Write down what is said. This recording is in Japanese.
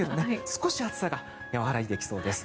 少し暑さが和らいできそうです。